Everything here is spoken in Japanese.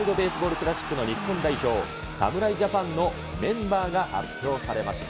クラシックの日本代表、侍ジャパンのメンバーが発表されました。